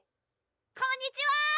こんにちは！